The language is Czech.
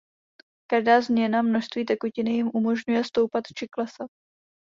Každá změna množství tekutiny jim umožňuje stoupat či klesat.